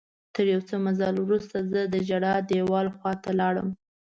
تر یو څه مزل وروسته زه د ژړا دیوال خواته لاړم.